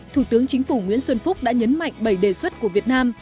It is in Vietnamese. thủ tướng chính phủ nguyễn xuân phúc đã nhấn mạnh bảy đề xuất của việt nam